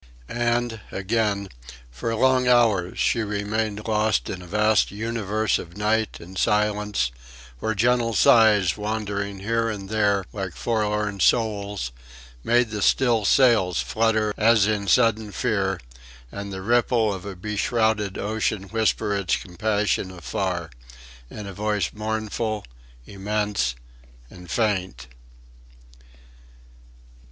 And, again, for long hours she remained lost in a vast universe of night and silence where gentle sighs wandering here and there like forlorn souls, made the still sails flutter as in sudden fear, and the ripple of a beshrouded ocean whisper its compassion afar in a voice mournful, immense, and faint....